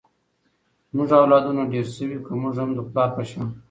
زمونږ اولادونه ډېر شوي ، که مونږ هم د پلار په شان